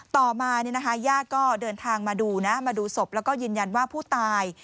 ต่อมาเนี้ยนะคะยาก็เดินทางมาดูนะมาดูสบแล้วก็ยืนยันว่าผู้ตาย